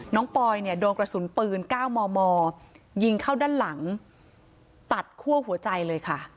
ปอยเนี่ยโดนกระสุนปืน๙มมยิงเข้าด้านหลังตัดคั่วหัวใจเลยค่ะ